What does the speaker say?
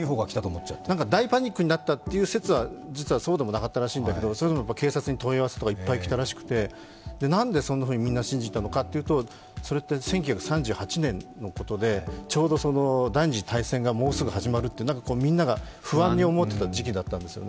大パニックになったという説は実はそうでもなかったらしいんだけど、それでも警察に問い合わせとかいっぱい来たらしくて、なんでそんなふうにみんな信じたのかというと、それって１９３８年のことで、ちょうど第二次大戦がもうすぐ始まると、みんなが不安に思っていた時期だったんですよね。